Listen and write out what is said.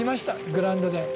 グラウンドで。